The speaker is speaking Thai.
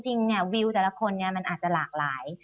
จริงเนี่ยวิวแต่ละคนเนี่ยมันอาจจะหลากหลาย